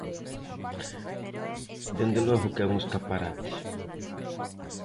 Dende logo que é un escaparate.